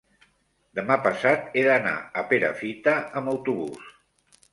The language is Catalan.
demà passat he d'anar a Perafita amb autobús.